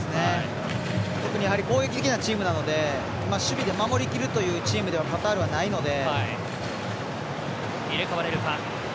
特に攻撃的なチームなので守備で守りきるというチームではカタールはないので。